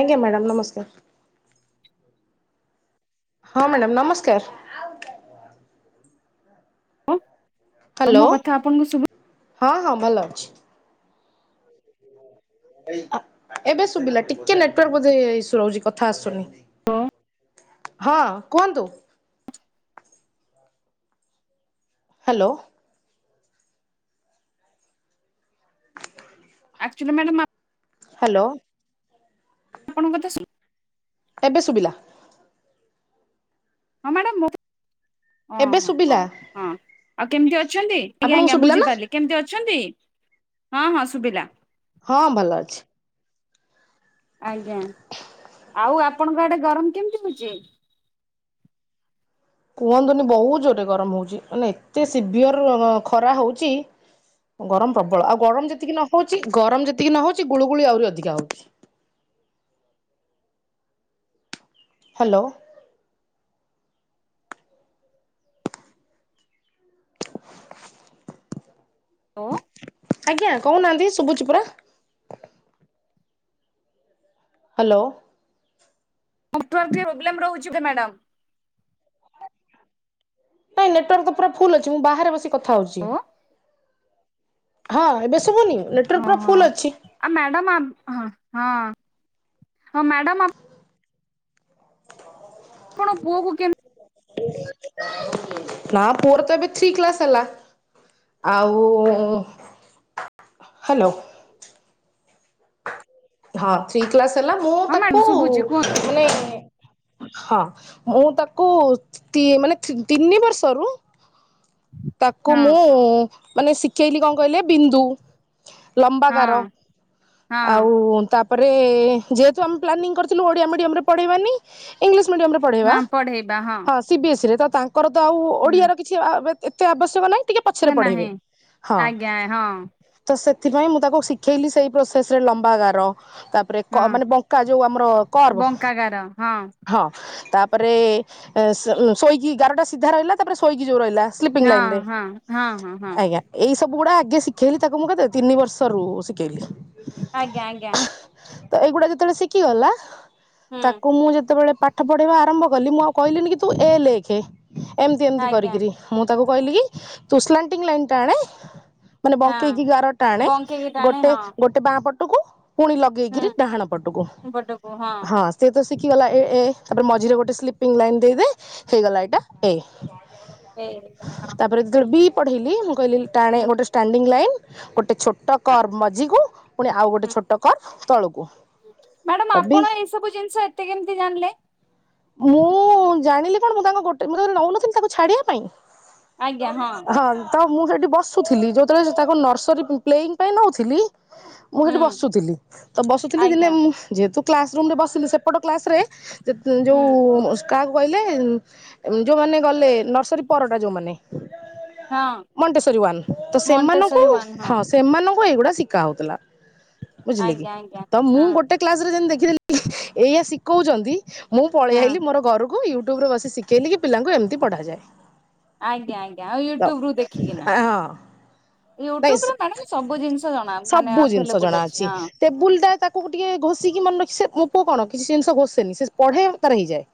ଆଜ୍ଞା ମ୍ୟାଡ଼ାମ୍ ନମସ୍କାର। ହଁ ମ୍ୟାଡ଼ାମ ନମସ୍କାର। ହଁ ହ୍ୟାଲୋ। ମୋ କଥା ଆପଣଙ୍କୁ ଶୁଭୁ ହଁ ହଁ ଭଲ ଅଛି। ଏବେ ଶୁଭିଲା ଟିକେ ନେଟୱାର୍କ ବୋଧେ ଇଶୁ ରହୁଛି କଥା ଆସୁନି ହଁ କୁହନ୍ତୁ? ହ୍ୟାଲୋ ଆକ୍ଚୁଆଲି ମ୍ୟାଡ଼ାମ ଆ ହ୍ୟାଲୋ ଆପଣଙ୍କ କଥା ଶୁ ଏବେ ଶୁଭିଲା। ହଁ ମ୍ୟାଡ଼ାମ ମୋ କଥା ଓ ଏବେ ହଁ ଶୁଭିଲା ହଉ ହଁ ଆଉ କେମିତି ଅଛନ୍ତି ଆଜ୍ଞା ଆପଣଙ୍କୁ ଆଜ୍ଞା ଶୁଭିଲା ନା ବୁଝିପାରିଲି କେମତି ଅଛନ୍ତି। ହଁ ହଁ ଶୁଭିଲା। ହଁ ଭଲ ଅଛି। ଆଜ୍ଞା ଆଉ ଆପଣଙ୍କ ଆଡେ ଗରମ କେମତି ହଉଛି? କୁହନ୍ତୁନି ବହୁତ ଜୋରରେ ଗରମ ହଉଛି ମାନେ ଏତେ ସିଭିଅର ଖରା ହଉଛି ଗରମ ପ୍ରବଳ ଆଉ ଗରମ ଯେତିକି ନହଉଛି ଗରମ ଯେତିକି ନହଉଛି ଗୁଳୁଗୁଳି ଆହୁରି ଅଧିକା ହଉଛି। ହାଲୋ ଓ ଆଜ୍ଞା କହୁନାହାନ୍ତି ଶୁଭୁଚି ପରା। ହାଲୋ [unintelligible] ଓବଲେମ୍ ରହୁଚି ତ ମାଡ଼ାମ୍। ନାଇଁ ନେଟୱାର୍କ ତ ପୁରା ଫୁଲ୍ ଅଛି ମୁଁ ବାହାରେ ବସି କଥା ହୋଉଚି। ଓ ହଁ ଏବେ ଶୁଭୁନି? ନେଟୱାର୍କ ପୁରା ଓହୋ ଫୁଲ ଅଛି ଆ ମ୍ୟାଡ଼ାମ ଆ ହଁ। ହଁ ହଁ ମ୍ୟାଡମ ଆ କଣ ପୁଅକୁୁ କିଏ? ନାଁ ପୁଅର ତ ଏବେ ଥ୍ରୀ କ୍ଲାସ୍ ହେଲା ଆଉ ହାଲୋ ହଁ ଥ୍ରୀ କ୍ଲାସ୍ ହେଲା ମୁଁ ହଁ ମ୍ୟାଡାମ ତାକୁ ଶୁଭୁଛି କୁହନ୍ତୁ ମାନେ ହଁ ମୁଁ ତାକୁ ତି ମାନେ ଥ ତିନି ବର୍ଷରୁ ତାକୁ ହଁ ମୁଁ ମାନେ ଶି କେଇଲି କଁ କହିଲେ ବିନ୍ଦୁ ଲମ୍ବା ଗାର ହଁ ହଁ ଆଉ ତ ତାପରେ ଯେହେତୁ ଆମେ ପ୍ଲାନିଂ କରିଥିଲୁ ଓଡ଼ିଆ ମିଡିୟମରେ ପଢେଇବାନି ଇଂଲିଶ୍ ମିଡ଼ିଅମରେ ନା ପଢ଼େଇବା ପଢେଇବା ହଁ ସି ବି ଏସ୍ ଇ ରେ ତା କର ତ ଆଉ ଓଡ଼ିଆର କିଛି ଆ ବେ ଏତେ ଆବଶ୍ୟକ ନାଇଁ। ଟିକେ ପଛରେ ହୁଁ ପଢେଇବେ ନାହିଁ ହଁ ଆଜ୍ଞା ହଁ ତ ସେ ଥିପାଇ ମୁଁ ତାକୁ ଶିଖେଇଲି ସେଇ ପ୍ରୋ ସେସରେ ଲମ୍ବା ଗାର। ତାପରେ କ ହଁ ମାନେ ବଙ୍କା ଯୋଉ ଆମର କର୍ବ ବଙ୍କାଗାର ହଁ ହଁ ତାପରେ ଏ ଶ ଶୋଇକି ଗାରଟା ସିଧା ରହିଲା ତାପରେ ଶୋଇକି ଯୋଉ ରହିଲା ସ୍ଲିପିଙ୍ଗ୍ ହଁ ଲାଇନରେ ହଁ ହଁ ହଁ ହଁ ଆଜ୍ଞା ଏଇ ସବୁ ଗୁଡ଼ା ଗେ ଶିଖେଇଲି ତାକୁ ମୁଁ କେତେ ତିନି ବର୍ଷରୁ ଶିକେଇଲି‌। ଆଜ୍ଞା ଆଜ୍ଞା। ତ ଏଇ ଗୁଡାଉ ଯେତୋଳେ ଶିକିଗଲା ହୁଁ ତାକୁ ମୁଁ ଯେତୋବେଳେ ପାଠ ପଢେଇବା ଆରମ୍ଭ କଲି ମୁଁ ଆଉ କହିଲିିନି କି ତୁ ଏ ଲେଖେ ଏମତି ଏମତି ଆଜ୍ଞା କରିକିରି ମୁଁ ତାକୁ କହିଲି କି ତୁ ସ୍ଲାଣ୍ଟିଙ୍ଗ ଲାଇନ୍ ଟାଣେ ମାନେ ହଁ ବଙ୍କେଇକି ଗାର ଟାଣେ ବଙ୍କେଇକି ଟାଣେ ଗୋଟେ ହଁ ପଟୁକୁ ପୁଣି ଲଗେଇକିରି ହୁଁ ଡାହାଣ ପଟୁକୁ ହଁ ସେିଏ ତ ଶିଖିଗଲା ଏ ମ ଯିରେ ଗୋଟେ ସ୍ଲିପିଙ୍ଗ ଲାଇନ୍ ଦେଇଦେ ହେଇଗଲା ଏଇଟା ଏଇ ସେଇ [inaudible] ପଢେଇିଲି ହୁଁ କହିଲି ଗୋଟେଟାଣେ ଷ୍ଟାଣ୍ଡିଙ୍ଗ ଲାଇନ୍ ଗୋଟେ ଛୋଟ କର ମଝି କୁ ପୁଣି ଆଉ ଗୋଟେ ହୁଁ ଛୋଟ କର ତଳକୁ ମ୍ୟାଡାମ ରବି ଆପଣ ଏଇ ସବୁ ଜିନିଷ ଏତେ କେମିତି ଜାଣିଲେ? ମୁଁ ଜାଣିଲି କଣ ମୁଁ ତାଙ୍କ ଗୋଟେ ମୁଁ ତେ ନଉନଥିଲି ତାଙ୍କୁ ଛାଡ଼ିବା ପାଇଁ [inaudible] ହଁ ତ ମୁଁ ସେଠି ବସୁଥିଲି ଯେତେବେଳେ ସେ ତାଙ୍କ ନର୍ସରୀ ପ୍ଲେଇଙ୍ଗି ପାଇଁ ନଉଥିଲି ମୁଁ ସେଠି ହୁଁ ବସୁଥିଲି ତ ବସୁଥିଲି ଦିନେ ଆଜ୍ଞା ମୁଁ ଯେହେତୁ କ୍ଲାସ ରୁମ ରେ ବସିଲୁ ସେପଟ କ୍ଲାସ ରେ [inaudible] ହୁଁ ଯୋଉଁ କାହାକୁ କହିଲେ ହୁଁ ଯୋଉଁମାନେ ଗଲେ ନର୍ସରୀ ପରଟା ଯୋଉଁମାନେ। ହଁ ମଣ୍ଟେଶରୀ ୱାନ ତ ସେମାନଙ୍କୁ ମଣ୍ଟେଶ୍ଵରୀ ୱାନ୍ ହଁ ସେମାନଙ୍କୁ ଏଗୁଡା [inaudible] ବୁଝିଲେ କି ଆଜ୍ଞା ଆଜ୍ଞା ତ ମୁଁ ହଁ ଗୋଟେ କ୍ଲାସ ରେ ଯେମ ଦେଖି [inaudible] ଏଇଆ ଶିଖଉଛନ୍ତି। ମୁଁ ପଳେଇ ହଁ ଆଇଲି ମୋର ଘରକୁ ୟୁ ୟୁଟୁବ ରୁ ବସି ଶିଖେଇଲି କି ପିଲାଙ୍କୁ ଏମିତି ପଢ଼ାଯାଏ। ଆଜ୍ଞା ଆଜ୍ଞା ଆଉ ୟୁଟୁବ ରୁ ଦେଖିକିନା ହଁ ନାଇଁ ୟୁଟୁବ ମ୍ୟାଡ ସବୁ ଜିନିଷ ଜଣା। ମାନେ ସବୁ ଜିନିଷ ଆଭେଲେବୁଲ ଜଣା ଅଛି ହଁ ଟେବୁଲ ଟା ତାକୁ ଟିକେ ଘଷି ସେ ମୋ ପୁଅ କଣ କିଛି ଜିନିଷ ଘୋଷେନି ସେ ପଢେ ତାରେ ହେଇଯାଏ।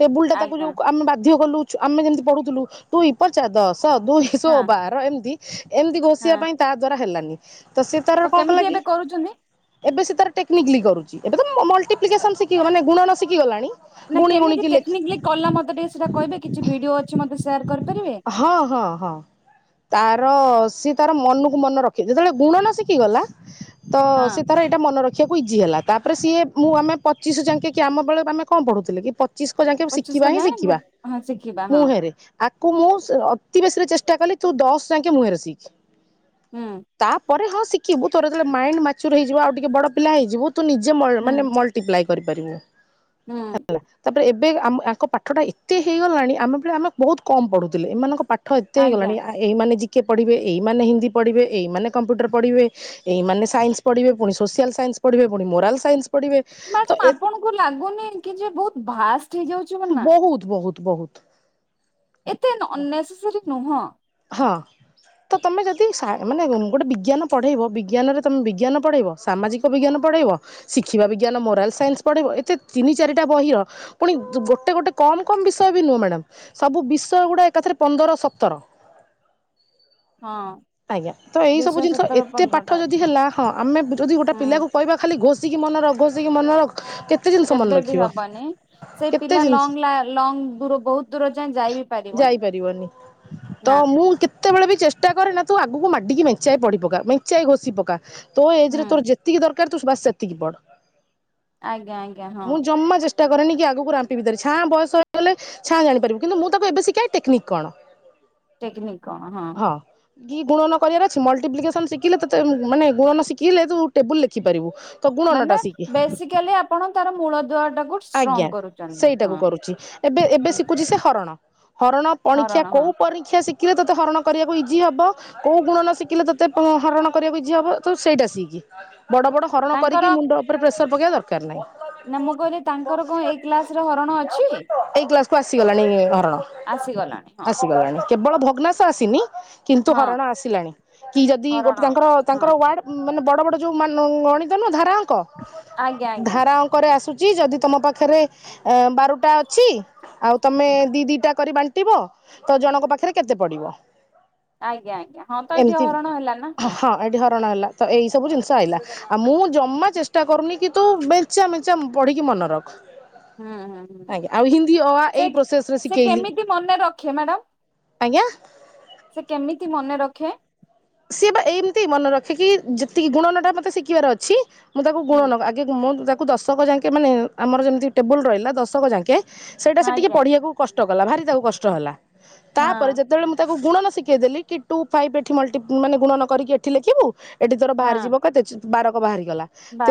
ଟେବୁଲୁ ଟା ତାକୁ ଆଜ୍ଞା ଯୋଉଁ ଆମେ ବାଧ୍ୟ କଲୁ। ଆମେ ଯେମିତି ପଢୁଥିଲୁ ଦୁଇପଞ୍ଚା ଦଶ ସ ଦୁଇସହ ହଁ ବାହାର ଏମିତି [inaudible] ଏମିତି ଘଷିବା ହଁ ପାଇଁ ତା ଦ୍ଵାରା ହେଲାନି। [inaudible] ତ ସିଏ ତାର କଣ କେମିତି କଲା କି ଏବେ କରୁଛନ୍ତି? ଏବେ ସେ ତାର ଟେକ୍ନିକଲି କରୁଛି ଏବେ ତ ମଲଟିପ୍ଲିକେସନ୍ ଶିଖି ମାନେ ଗୁଣନ ଶିଖିଗଲାଣି ନା ଗୁଣି କେମିତି ଗୁଣିକି ଲେଖି ଟେକ୍ନିକାଲି କଲା ମୋତେ ଟିକେ ସେଟା କହିବେ କିଛି ଭିଡିଓ ଅଛି ମତେ ସେୟାର କରିପାରିବେ? ହଁ ହଁ ହଁ ତା ସିଏ ତାର ମନକୁ ମନେ ରଖି ଯେତେବେଳେ ଗୁଣନ ଶିଖିଗଲା ତ ହଁ ସେ ତାର ଏଇଟା ମନେ ରଖିବାକୁ ଇଜି ହେଲା। ତାପରେ ସିଏ ମୁଁ ଆମେ ପଚିଶଙ୍କ ଯାକେ କି ଆମ ବେଳେ ଆମେ କଣ ପଢ଼ୁଥିଲେ କି ପ ଚିସ୍କ ଯାଇକ ଶିଖିବା ପଚିଶିଶହ ହିଁ ଯାଏଁ ଶିଖିବା ହଁ ଶିଖିବା ହଁ ମୁହେଁରେ ମୁଁ ଅତି ବେଶୀ ରେ ଚେଷ୍ଟା କଲି ତୁ ଦଶ ଯାକେ ମୁହଁରେ ଶିଖ। ହୁଁ ତାପରେ ହଁ ଶିଖି କିବୁ ତୋର ଯେତେବେଳେ ମାଇଣ୍ଡ ମାଚ୍ୟୁର ହେଇଯିବ ଆଉ ଟିକେ ବଡ ପିଲା ହେଇଯିବୁ ତୁ ନିଜେ ମ ହୁଁ ମାନେ ମଲଟିପ୍ଲାଇ କରିପାରିବୁ । ହୁଁ ହେଲା ତାପରେ ଏବେ ଏବେ ଆମ ଆଙ୍କ ପାଠଟା ଏତେ ହେଇଗଲାଣି ଆମେ ବେଳେ ଆମେ ବହୁତ କମ୍ ପଢୁଥିଲେ ଏମାନଙ୍କ ପାଠ ଠ ଏତେ ଆଜ୍ଞା। ହେଇଗଲାଣି ଆ ଏଇ ମାନେ ଜିକେ ପଢ଼ିବେ ଏଇମାନେ ହିନ୍ଦୀ ପଢ଼ିବେ ଏଇମାନେ କମ୍ପ୍ୟୁଟର ପଢ଼ିବେ ଏଇମାନେ ସାଇନ୍ସ ପଢ଼ିବେ ପୁଣି ସୋସିଆଲ୍ ସାଇନ୍ସ ପଢ଼ିବେ ପୁଣି ମୋରାଲ ସାଇନ୍ସ ପଢ଼ିବେ ତ ମ୍ୟାଡ଼ମ୍ ଏ ଆପଣଙ୍କୁ ଲାଗୁନି କି ଯେ ବହୁତ ଭା ଷ୍ଟ ହେଇଯାଉଛି ବୋଲି ନା। ବହୁତ ବହୁତ ବହୁତ ଏତେ ନ ନେସେସାରୀ ନୁହଁ। ହଁ ତ ତମେ ଯଦି ମାନେ ଗୋଟେ ବିଜ୍ଞାନ ପଢେଇବ ବିଜ୍ଞାନରେ ତମେ ବିଜ୍ଞାନ ପଢେଇବ ସାମାଜିକ ବିଜ୍ଞାନ ପଢେଇବ ଶିଖିବା ବିଜ୍ଞାନ ମୋରାଲ ସାଇନ୍ସ ପଢେଇବ ଏତେ ତିନି ଚାରିଟା ବହିର ପୁଣି ଗୋଟେ ଗୋଟେ କମ କମ ବିଷୟ ବି ନୁହଁ ମ୍ୟାଡାମ ସବୁ ବିଷୟ ଗୁଡା ଏକାଥରେ ପନ୍ଦର ସତର ହଁ ଆଜ୍ଞା ତ ଏଇ ସବୁ ବିଶ ଜିନିଷ ସତର ଏତେ ପନ୍ଦରଟା ପାଠ ଯଦି ଆଚ୍ଛା। ହେଲା ହଁ ଆମେ ଯଦି ଗୋଟେ ହୁଁ ପିଲାକୁ କହିବା ଖାଲି ଘୋଷିକି ମନ ରଖ ଘୋଷିକି ମନ ରଖ। କେତେ ଜିନିଷ ମନେ କେବେ ବି ରଖିବ ହବନି ସେ କେତେ ପିଲା ଲା ଜିନିଷ ଲଙ୍ଗ ଲା ଲଙ୍ଗ ଦୂର ବହୁତ ଦୂର ଯାଏ ଯାଇ ବିି ପାରିବନି ନା ଯେତେବେଳେ ବି ଚେଷ୍ଟା କରେ ନା ତୁ ଆଗକୁ ମାଡିକି ମେଞ୍ଚାଇ ପଢି ପକା ମେଞ୍ଚାଇ ଘୋଷି ପକା ତୋ ହୁଁ ଏଜରେ ତୋର ଯେତିକି ଦର ଦରକାର ବାସ୍ ତୁ ଏତିକି ପଢ଼ । ଆଜ୍ଞା ଆଜ୍ଞା ହଁ। ଷ୍ଟା କରେନି କି ଆଗକୁ ଭିତରେ ଛାଁ ବୟସ ହେଲେ ଛାଁ ଜାଣିପାରିବୁ କିନ୍ତୁ ମୁଁ ତାକୁ ଏବେ ଶିଖାଏ ଟେକ୍ନିକ କଣ ଟେକ୍ନିକ କଣ ହଁ କି ଗୁଣନ କରିବାର ଅଛି ମଲଟିପ୍ଲିକସନ ଶିଖିଲେ ତତେ ମାନେ ଗୁଣନ ଶିଖିଲେ ତୁ ଟେବୁଲ ଲେଖିପାରିବୁ। ତ ଗୁଣନଟା ମାନେ ଶିଖେ ବେସିକାଲି ଆପଣ ତାର ମୂଳ ଦୁଆ ଟାକୁ ଆଜ୍ଞା ଷ୍ଟ୍ରଙ୍ଗ କରନ୍ତୁ। ସେଇଟାକୁ କରୁଛି ଏବେ ଏବେ ଶିଖୁଛି ସେ ହରଣ। ହରଣ ପଣିକିଆ ହରଣ ହଁ କୋଉ ପରୀକ୍ଷା ଶିକ୍ଷ ଶିଖିଲେ ତୋତେ ହରଣ କରିବାକୁ ଇଜି ହବ କୋଉ ଗୁଣନ ଶିଖିଲେ ତୋତେ ହରଣ କରିବାକୁ ଇଜି ହବ ତ ସେଇଟା ଶିଖି। ବଡ ବଡ ହରଣ ତାଙ୍କର କରିକି ମୁଣ୍ଡ ଉପରେ ପ୍ରେସର ପଗ ତ [inaudible] ନା ମୁଁ କହିଲି ତାଙ୍କର କଣ ଏଇ କ୍ଲାସ ରେ ହରଣ ଅଛି? ଏଇ କ୍ଲାସ କୁ ଆସିଗଲାଣି ହରଣ। ଆସିଗଲାଣି ହଁ ଆସିଗଲାଣି କେବଳ ଭଗ୍ନାସ ଆସିନି କିନ୍ତୁ ହଁ ହରଣ ଆସିଲାଣି କି ଯଦି ହରଣ ଗୋଟେ ତାଙ୍କର ହଁ ତାଙ୍କର ୱାର୍ଡ ମାନେ ବଡ଼ ବଡ଼ ଯେଉଁ ମାନ ଗଣିତ ନୁହଁ ଧାରାଙ୍କ ଆଜ୍ଞା ଆଜ୍ଞା। ଧାରାଅଙ୍କରେ ଆସୁଛି ଯି ଯଦି ତମ ପାଖରେ ଏ ବାରଟା ଅଛି ଆଉ ତମେ ହୁଁ ଦି ଦିଟା କରି ବାଣ୍ଟିବ ତ ଜଣଙ୍କ ପାଖରେ କେତେ ପଡିବ। ଆଜ୍ଞା ଆଜ୍ଞା ହଁ ତ ଏଇଠି ଏମିତି ହରଣ ହେଲା ନା ହଁ। ଏଠି ହରଣ ହେଲା ତ ଏଇ ସବୁ ଜିନିଷ ଆଇିଲା। ଆଉ ମୁଁ ଜମା ଚେଷ୍ଟା କରୁନି କିନ୍ତୁ ବେଞ୍ଚା ମେଞ୍ଚା ପଢିକି ମନେ ରଖ। ହୁଁ ହୁଁ ହଁ ଆଜ୍ଞା ଆଉ ହିନ୍ଦୀ ଅ ଆ ସେ ଏଇ ପ୍ରୋସେସ ରେ ସେ ଶିଖେଇଲି କେମିତି ମନେ ରଖେ ମ୍ୟାଡ଼ାମ। ଆଜ୍ଞା। ସେ କେମିତି ମନେ ରଖେ। ସିଏ ବା ଏମତି ମନେ ରଖିକି ଯେତିକି ଗୁଣନ ଟା ମତେ ଶିଖିବାର ଅଛି ମୁଁ ତାକୁ ହୁଁ ଗୁଣନ ଆଗେ ମୁଁ ତା କ୍ ଦଶକ ଯାଙ୍କେ ମାନେ ଆମର ଯେମିତି ଟେବଲ ରହିଲା ଦଶକ ଯାଙ୍କେ ସେଇଟା ସେ ଟିକେ ଆଜ୍ଞା ପଢିବାକୁ କଷ୍ଟ କଷ୍ଟ କଲା ଭାରି ତାକୁ କଷ୍ଟ ହେଲା। ହଁ ତାପରେ ଯେତେବେଳେ ମୁଁ ତା ଗୁଣନ ଶିଖେଇଦେଲି କି ଟୁ ଫାଈଭ୍ ଏଠି ମଲ ମାନେ ଗୁଣନ କରିକି ଏଠି ଲେଖିବୁ ଏଠି ତୋର ହଁ ବାହାରିଯିବ କେତେ ବାରକ ବାହାରେ ଗ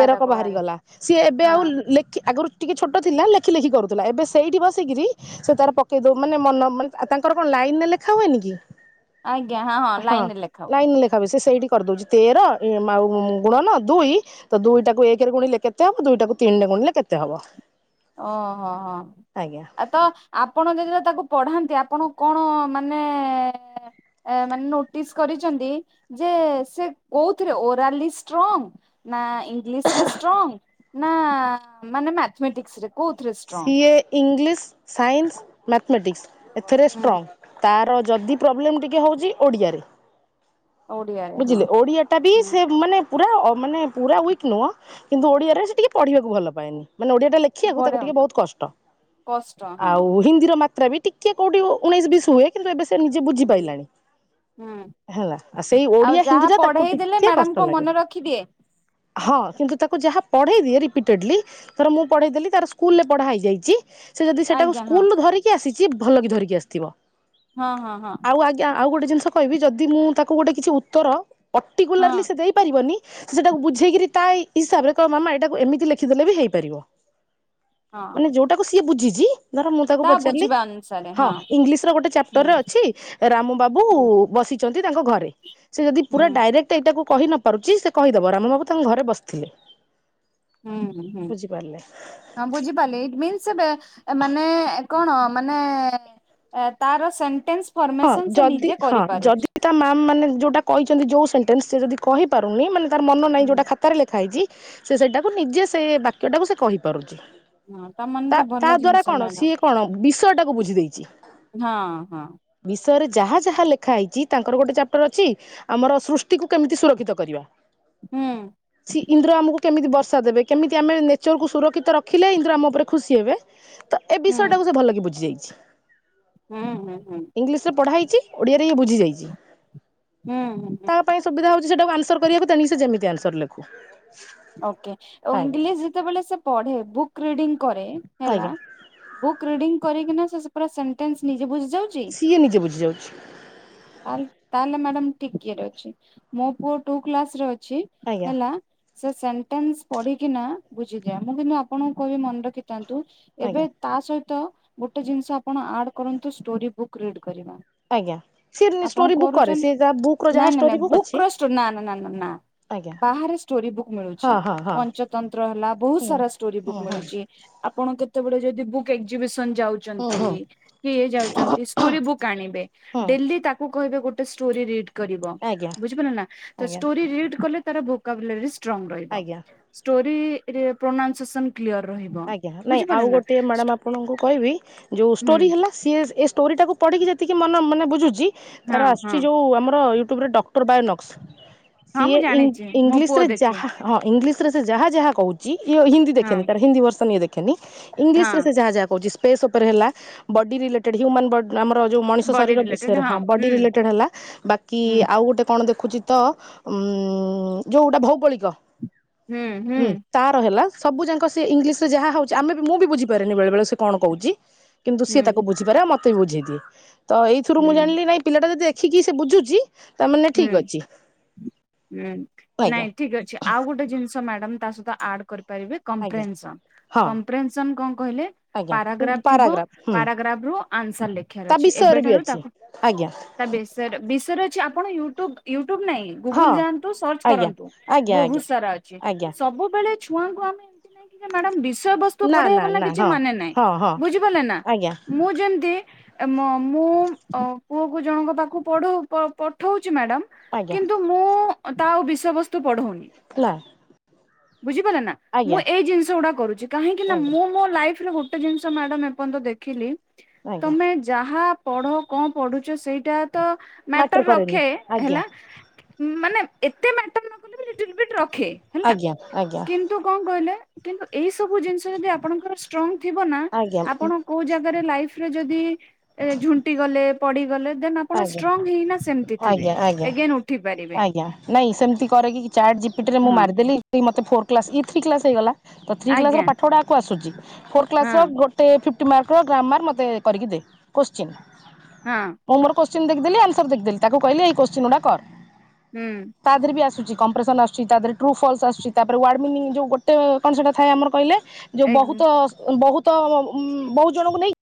ତେରକ ବାର ବାହାରିଗଲା ସିଏ ଏବେ ଆଉ ହଁ ଲେଖି ଆଗରୁ ଟିକେ ଛୋଟ ଥିଲା ଲେଖି ଲେଖି କରୁଥିଲା ।ଏବେ ସେଇଠି ବସିକିରି ସେ ତାର ପକେଇ ଦଉ ମାନେ ମନ ମାନେ ତାଙ୍କର କଣ ଲାଇନ ଲେଖା ହୁଏନି କି ଆଜ୍ଞା ହଁ ହଁ ଲାଇନ ରେ ଲେଖା। ହୁଏ ଲାଇନ ଲେଖା ବ ସେ ସେଇଠି କରିଦଉଛି ତେର ଆଉ ଗୁଣ ନ ଦୁଇ ତ ଦୁଇଟାକୁ ଏକରେ ଗୁଣିଲେ କେତେ ହବ ଦୁଇଟାକୁ ତିନିରେ ଗୁଣିଲେ କେତେ ହବ? ଓହୋ ହୋ ଆଜ୍ଞା। ଆ ତ ଆପଣ ଯଦିତ ତାକୁ ପଢାନ୍ତି ଆପଣ କଣ ମାନେ ମାନେ ନୋଟିସ୍ କରିଛନ୍ତି ଯେ ସେ କୋଉଥିରେ ଓରାଲି୍ର ଷ୍ଟ୍ରଙ୍ଗ ନା ଇଂଲିଶରେ ଷ୍ଟ୍ରଙ୍ଗ ନା ମାଥମେଟିକ୍ ସେ ସିଏ ଇଂଲିଶ ସାଇନ୍ସ ମାଥମେଟିକ୍ସ୍। ଏଥିରେ ହୁଁ ଷ୍ଟ୍ରଙ୍ଗ ତାର ଯଦି ପ୍ରୋବ୍ଲେମ୍ ଟିକେ ହଉଛି ଓଡ଼ିଆରେ। ଓଡିଆରେ ହଁ ବୁଝିଲେ ଓଡିଆ ଟା ବି ସେ ମାନେ ପୁରା ମାନେ ପୁରା ୱିକ୍ ନୁହଁ କିନ୍ତୁ ଓଡ଼ିଆରେ ସେ ଟିକିଏ ପଢ଼ିବାକୁ ଭଲ ପାଏନି। ମାନେ ଓଡିଆ ଟା ଲେଖିବାକୁ ତାକୁ ବଢିଆ ଟିକେ ବହୁତ କଷ୍ଟ କଷ୍ଟ ହଁ ଆଉ ହିନ୍ଦୀର ବି ଟିକେ କୋଉଠି ଉଣେଇଶ ବିସ୍ ହୁଏ କିନ୍ତୁ ଏବେ ସେ ନିଜେ ବୁଝିପାରିଲାଣି ହୁଁ ହେଲା ଆସ ଆଉ ଯାହା ପଢେଇ ଦେଲେ ମ୍ୟାଡାମ କ ମନେ ରଖିଦିଏ। ହଁ କିନ୍ତୁ ତାକୁ ଯାହା ପଢେଇ ଦିଏ ରିପିଟେଡଲି ତର ମୁଁ ପଢେଇ ଦେଲି ତାର ସ୍କୁଲରେ ପଢା ହେଇଯାଇଛି ସେ ଯଦି ସେଟାକୁ ଆଜ୍ଞା ହଁ ସ୍କୁଲରୁ ଧରିକି ଆସିଛି। କିଏ ଭଲ କିି ଧରିକି ଆସିଥିବ। ହଁ ହଁ ହଁ। ଆଉ ଆଜ୍ଞା ଆଉ ଗୋଟେ ଜିନିଷ କହିବି ଯଦି ମୁଁ ତାକୁ ଗୋଟେ କିଛି ଉତ୍ତର ହଁ ପର୍ଟିକୁଲାରଲି ସେ ଦେଇପାରିବନି। ସେ ସେଟାକୁ ବୁଝେଇକିରି ତାଇ ହିସାବରେ କଣ ମାମା ଏଇଟାକୁ ଏମିତି ଲେଖିଦେଲେ ବି ହେଇପାରିବ। ହଁ ମାନେ ଯୋଉଟାକୁ କି ବୁଝିଛି। ଧର ମୁଁ ତାକୁ ତା ପଚାରିଲି ବୁଝିବା ଅନୁସାରେ ହଁ ଇଂଲିଶ ର ଗୋଟେ ଚାପ୍ଟର ହୁଁ ରେ ଅଛି ରାମ ବାବୁ ହୁଁ ବସି ଛନ୍ତି ତାଙ୍କ ଘରେ। [inaudible] ସେ ଯଦି ହୁଁ ପୁରା ଡାଇରେକ୍ଟ ଏଇଟାକୁ କହି ନ ପାରୁଛି ସେ କହିଦବ ରାମ ବାବୁ ତାଙ୍କ ଘରେ ବସିଥିଲେ। ହୁଁ ବୁଝିପାରିଲେ। ହୁଁ ବୁଝିପାରିଲେ ଇଟ ମିନ୍ସ ସେବେ ମାନେ କଣ? ମାନେ ତାର ସେଣ୍ଟେନସ୍। ହଁ ଯଦି ହଁ ଯଦି ତା ମ୍ୟାମ ମାନେ ଯୋଉଟା କହିଛନ୍ତି ଯୋଉ ସେଣ୍ଟ ଦେନ୍ ସିଏ ଯଦି କହିପାରୁନି ମାନେ ତାର ମନ ନାହିଁ ହୁଁ ଯଉଟା ଖାତାରେ ଲେଖା ହେଇଚି । ସେ ସେଇଟାକୁ ନିଜେ ସେ ବାକ୍ୟଟାକୁ ସେ କହିପାରୁଚି। ହଁ ତମାନେ ତା ତ ତା ଭଲ ଦ୍ଵାରା ଜିନିଷ କଣ ମ୍ୟାଡାମ ସିଏ କଣ ବିଷୟ ଟାକୁ ବୁଝି ଦେଇଚି। ହଁ ହଁ ବିଷୟରେ ଯାହା ଯାହା ଲେଖା ହେଇଚି ତାଙ୍କର ଗୋଟେ ଚାପ୍ଟର ଅଛି ଆମର ସୃଷ୍ଟିକୁ କେମିତି ସୁରକ୍ଷିତ କରିବା। ହୁଁ। ସେ ଇନ୍ଦ୍ର ଆମକୁ କେମିତି ବର୍ଷା ଦେବେ କେମିତି ଆମେ ନେଚରକୁ ସୁରକ୍ଷିତ ରଖିଲେ ଇନ୍ଦ୍ର ଆମ ଉପରେ ଖୁସି ହେବେ। ତ ଏ ହୁଁ ବିଷୟଟାକୁ ସେ ଭଲି ବୁଝିଯାଇଛି। ଛି। ହୁଁ ହୁଁ। ହୁଁ ଇଂଲିଶ ରେ ପଢ଼ାଇ। ଛି ଓଡିଆରେ ଇଏ ବୁଝି ଯାଇଚି। ହୁଁ ହୁଁ ହୁଁ। ସେଇଟାକୁ ଆନ୍ସର କରିବାକୁ [unintelligible] ସେ ଯେମିତି ଆନ୍ସର ଲେଖୁ। ଓକେ ଓ ଆଜ୍ଞା ଇଂଲିଶ ଯେତେବେଳେ ସେ ପଢେ। Book reading. କରେ ହେଲା ଆଜ୍ଞା ବୁକ୍ ରିଡିଙ୍ଗ କରିକିନା ସେ ପୁରା ସେଣ୍ଟେନ୍ସ ନିଜେ ବୁଝି ଯାଉଛି। ସିଏ ନିଜେ ବୁଝି ଯାଉଛି। ତାହେଲେ ତାହେଲେ ମ୍ୟାଡାମ ଠିକ୍ ଇଏ ରେ ଅଛି ମୋ ପୁଅ ଟୁ କ୍ଲାସ ରେ ଅ ଛି ଆଜ୍ଞା ହେଲା। ସେ ସେଣ୍ଟେନ୍ସ ପଢିକିନା ବୁଝିଯାଏ। ମୁଁ କିନ୍ତୁ ଆପଣଙ୍କୁ କହିବି ମନ ରଖି ଥାନ୍ତୁ ଏବେ ଆଜ୍ଞା ତା ସହି ତ ଗୋଟେ ଜିନିଷ ଆପଣ ଆଡ କରନ୍ତୁ ଷ୍ଟୋରି ବୁକ୍ ରିଡ୍। କରିବା ଆଜ୍ଞା ସିଏ ଆପଣ ଷ୍ଟୋରି ବୁକ୍ କରୁଚ କରେ ସିଏ ଯାହା ବୁକ୍ ର ଯାହା ନାଇ ଷ୍ଟୋରି ନାଇ ଅଛି ବୁକ୍ ର ଷ୍ଟୋରୀ ନା ନା ନା ନା ଆଜ୍ଞା ବାହାରେ ଷ୍ଟୋରୀ ବୁକ୍ ମିଳୁଛି ହଁ ହଁ ହଁ ପଞ୍ଚତନ୍ତ୍ର ହେଲା ବହୁତ୍ ହୁଁ ସାରା ଷ୍ଟୋରୀ ବୁକ୍ ହୁଁ ହୁଁ ହୁଁ ମିଳୁଛି ଆପଣ ଯେତେବେଳେ ଯଦି ବୁକ୍ ଏକ୍ଜିବିସନ୍ ସନ୍ ହୁଁ ଯାଉଛନ୍ତି କି ଏ ଯାଉଛନ୍ତି ଷ୍ଟୋରୀ ବୁକ୍ ଆଣିବେ ହୁଁ ଡେଲି ତାକୁ କହେ ଗୋଟେ ଷ୍ଟୋରି ରିଡ କରିବ ଆଜ୍ଞା ବୁଝିପାରିଲ ନା ତ ଆଜ୍ଞା ଷ୍ଟୋରୀ ରିଡ କଲେ ତାର [unintelligible] ଷ୍ଟ୍ରଙ୍ଗ ରହିବ ଆଜ୍ଞା ଷ୍ଟୋରି ପ୍ରୋନାଉନସସନ ଆଜ୍ଞା ନାଇଁ ଆଉ ଗୋଟେ ମ୍ୟାଡାମ ଆପଣଙ୍କୁ କହିବି ଯୋଉ ହୁଁ ଷ୍ଟୋରି ହେଲା ସିଏ ଏ ଷ୍ଟୋରିଟାକୁ ପଢ଼ିକି ଯେତିକି ମନ ମାନେ ବୁଝୁଛି ହଁ ତାର ହଁ ଆସୁଛି ଯୋଉ ଆମର ଏ ଇ୍ୟୁବରେ ଡକ୍ଟର ବାୟୋନକ୍ସ ହଁ ମୁଁ କିଏ ଜାଣିଛି ମୋ ପୁଅ ଇଂଲିଶ ରେ ଦେଖେ ଯାହା ହଁ ଇଂଲିଶ ସେ ଯାହା ଯାହା କହୁଛି ହିନ୍ଦ ହଁ ଦେଖେନି ତାର ହିନ୍ଦୀ ବର୍ଷ [inaudible] ଦେଖେନି ଇଂଲିଶରେ ହଁ। ସେ ଯାହା ଯାହା କହୁଛି। ଫେସ ଉପରେ ହେଲା ବଡି ରିଲେଟେଡ୍ ହ୍ୟୁମାନ ବ ଆମ ହଁ ଜଉ ମଣିଷ ବଡି ଶରୀର ରିଲେଟେଡ ବିଷୟରେ ହଁ ବଡି ହୁଁ ରିଲେଟେଡ ହେଲା ବାକି ହୁଁ ଆଉ ଗୁଟେ କଣ ଦେଖୁ ଉଚିତ ଉ ଯୋଉଟା ଭୌଗୋଳିକ ହୁଁ ତାର ହେଲା ସବୁ ଯାକ ସେ ଇଂଲିଶ ସେ ଯାହା ହଉଛି ଆମେ ବି ମୁଁ ବି ବୁଝିପାରିନି ବେଳେ ବଳେ ସେ କଣ କହୁଛି। କିନ୍ତୁ ସଏ ହୁଁ ତାକୁ ବୁଝିପାରେ ମତ ମତେ ବୁଝିଦିଏ ତ ଏଇଥିରୁ ମୁଁ ହୁଁ। ଜାିଲି ନାଇଁ ପିଲାଟା ଯଦି କି କି ସେ ବୁଝୁଛି ତାମାନେ ହୁଁ ଠିକ ଅଛି। ହୁଁ ଆଜ୍ଞା ନାଇଁ ଠିକ ଅଛି ଆଉ ଗୋଟେ ଜିନିଷ ମ୍ୟାଡାମ। ତା ସହିତ ଆଡ଼ କରିବୁ। କହିବେ ଆଜ୍ଞା କଂପ୍ରେନ୍ସନ ହଁ କମ୍ପରେନ୍ସନ କଣ କହିଲେ ଆଜ୍ଞା ପାରାଗ୍ରାପ ଥିବ ପାରାଗ୍ରାଫ ହୁଁ ପାରାଗ୍ରାପରୁ ଆନସାର ଲେଖିବାର ତା ଅଛି ବିଷୟରେ ବି ଏବେଠାରୁ ଅଛି। ତାକୁ ଆଜ୍ଞା ତା ବିଶ ବିଷୟରେ ଅଛି ଆକ - କଣ ୟୁଟୁବ ୟୁ ୟୁଟୁବ ନାଇଁ ଗୁଗୁୁଲ ହଁ ଯାଆନ୍ତୁ ସର୍ଚ୍ଚ ଆଜ୍ଞା କରନ୍ତୁ ଆଜ୍ଞା ବହୁ ଆଜ୍ଞା ସାରା ଅଛି ଆଜ୍ଞା ସବୁବେଲେ ଛୁଆଙ୍କୁ ଆମେକି ମ୍ୟାଡାମଡ଼ିସ ଷୟ ବସ୍ତୁ ପେଇବ ନା କିଛି ମାନେ ନାହିଁ ବୁଝିପାରିଲେ ନା ଆଜ୍ଞା ମୁଁ ଯେମତି ମୁଁ ପୁଅ କୁ ଜଣଙ୍କ ପାଖକୁ ପଢୁପ ପ ମାଡାମ ଆଜ୍ଞା କିନ୍ତୁ ମୁଁ ତାଉ ବିଷୟବସ୍ତୁ ତୁ ବଡ଼ ହନି ନା ବୁଝିପାରିଲ ନା ମୁଁ ଆଜ୍ଞା ଏଇ ଜିନିଷ ଗୁଡା କରୁଛି କାହିଁକି ନା ଆଜ୍ଞା ମୁଁ ମୋ ଲାଇଫ ଗୋଟେ ଜିନିଷ ମ୍ୟାଡ଼ମ୍ ଏପଯ୍ୟନ୍ତ ଦେଖିଲି ଆଜ୍ଞା। ତମେ ଯାହା ପଢ଼ କଣ ପଢ଼ୁଛ ସେଇଟା ତ ମ୍ୟାଟର ରଖ କରେନି [inaudible] ଆଜ୍ଞା ହେଲା। ମାନେ ଏତେ ମ୍ୟାଟର ନ କଲେ ବି ଲିଟିଲ୍ ବିଟ୍ ରଖେ ହେଲା। ଆଜ୍ଞା ଆଜ୍ଞା କିନ୍ତୁ କଣ କହିଲେ କିନ୍ତୁ ଏଇ ସବୁ ଜିନିଷ ଯଦି ଆପଣଙ୍କର ଷ୍ଟ୍ରଙ୍ଗ ଥିବ ନା ଆଜ୍ଞା ଆପଣ କୋଉ ଜାଗାରେ ଲାଇଫ ଯଦି ଏ ଝୁଣ୍ଟି ଗଲେ ପଡ଼ିଗଲେ ଆପଣ ଆଜ୍ଞା। ଷ୍ଟ୍ରଙ୍ଗ ହେଇନା ସେମିତି ଥିବେ ଆଜ୍ଞା ଆଜ୍ଞା ଏଗେନ ଉଠି ପାରିବେ ଆଜ୍ଞା। ନାଇଁ ସେମିତି କରରେ କିି ଚାାର୍ଟ ଜିପିଟ ରେ ମୁଁ ହଁ ମାରିଦେଲି ମୋତ ଫୋ କ୍ଲାସ୍ ଇଥ୍ରୀ କ୍ସ୍ ହେଇଗଲା ତ ଥ୍ରୀ କ୍ଲାସ ର ଆଜ୍ଞା ପାଠପଢାକୁ ଆସୁଛି। ଫୋର୍ କ୍ଲାସ ହଁ ର ଗୋଟେ ଫଟି ମାର୍କ ର ଗ୍ରାମାର କରିକି ଦେ କୋଶ୍ଚିନ୍ ହଁ। ମୁଁବର କୋଶ୍ଚିନ ଦେଖିଦଲି ଆନସର ଦେଖଦେଲି ତାକୁ କହିଲି ଏ କୋଶ୍ଚନ୍ ଗୁାଡା କର। ତା ଦେହରେ ବି ଆସୁଛି। କମ୍୍ରେସ ଆୁଛି ତାରେ୍ରୁ ଫଲସୁଛି ତାପରେ ାର୍ଡ଼ ମିନିଙ୍ଗ ଯେଉଁୋଟେ କଣ ସେପଟ ଥାଏମ କିଲେ ଯୋଉ ହୁଁ ବହୁତ ବହୁତ ତ ବହୁ ଜଣଙ୍କୁ ନେଇକ